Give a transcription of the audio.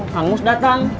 kang mus datang